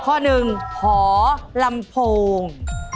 ข้อหนึ่งหอลำโพง